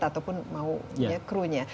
ataupun maunya krunya